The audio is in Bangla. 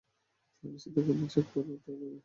ফার্মেসির দোকান চেক করতে হবে।